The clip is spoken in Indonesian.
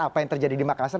apa yang terjadi di makassar